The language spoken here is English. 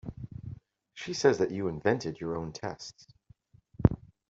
She said that you invented your own tests.